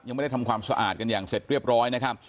ยังไม่ได้ทำความสะอาดกันอย่างเสร็จเรียบร้อยนะครับ